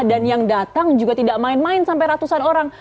dan yang datang juga tidak main main sampai ratusan orang